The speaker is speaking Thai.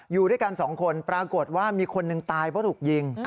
อยู่ด้วยกันสองคนปรากฏว่ามีคนหนึ่งตายเพราะถูกยิง